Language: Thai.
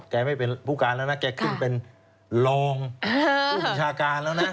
ไม่เป็นผู้การแล้วนะแกขึ้นเป็นรองผู้บัญชาการแล้วนะ